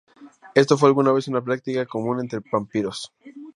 Esto fue alguna vez una práctica común entre vampiros.